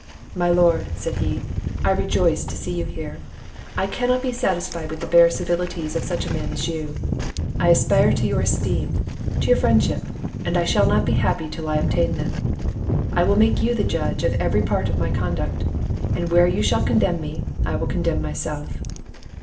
"My Lord," said he, "I rejoice to see you here. I cannot be satisfied with the bare civilities of such a man as you. I aspire to your esteem, to your friendship, and I shall not be happy till I obtain them. I will make you the judge of every part of my conduct, and where you shall condemn me, I will condemn myself."